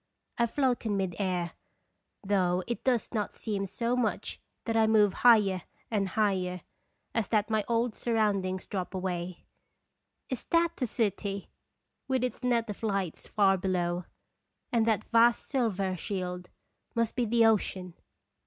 I float in mid air, though it does not seem so much that I move higher and higher, as that my old sur roundings drop away is tkati\\e city with its net of lights far below? and that vast silver shield must be the ocean